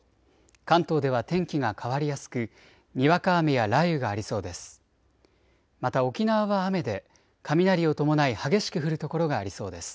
関東では天気が変わりやすくにわか雨や雷雨がありそうです。